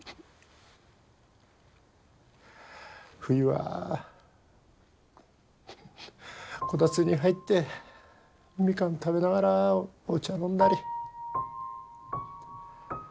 冬はコタツに入ってみかん食べながらお茶飲んだり。